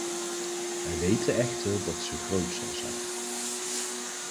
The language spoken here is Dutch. Wij weten echter dat ze groot zal zijn.